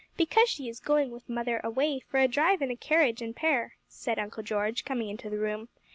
Because she is going with mother away For a drive in a carriage and pair,' said Uncle George, coming into the room.